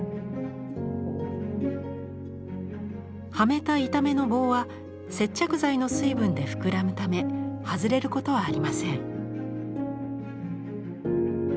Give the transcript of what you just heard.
はめた板目の棒は接着剤の水分で膨らむため外れることはありません。